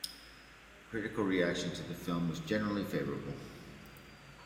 Critical reaction to the film was generally favorable.